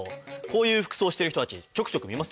こういう服装してる人たちちょくちょく見ますよ。